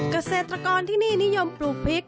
เกษตรกรที่นี่นิยมปลูกพริก